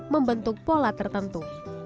membentuk pola tertentu